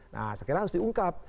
nah sekarang harus diungkap